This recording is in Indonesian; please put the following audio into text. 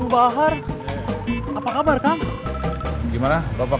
bapak mau bensin jauh kak